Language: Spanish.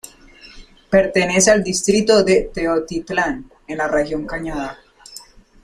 Pertenece al distrito de Teotitlán, en la región Cañada.